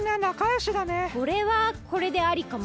これはこれでありかも。